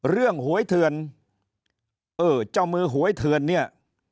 เรื่องหวยเทือนเจ้ามือหวยเทือนเนี่ย